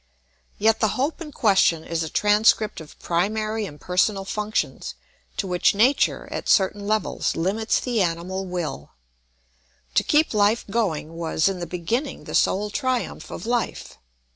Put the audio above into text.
Yet the hope in question is a transcript of primary impersonal functions to which nature, at certain levels, limits the animal will. To keep life going was, in the beginning, the sole triumph of life.